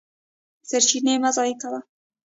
سرچینې مه ضایع کوه.